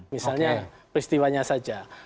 misalnya peristiwanya saja